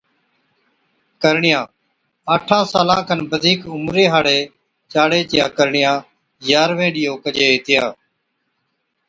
ڪرڻِيان، آٺان سالان کن بڌِيڪ عمري ھاڙِي چاڙي (ڇوھِرِي) چِيا ڪرڻِيان يارھوي ڏيئو ڪجي ھِتيا